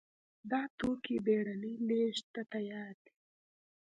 دا توکي بېړنۍ لېږد ته تیار دي.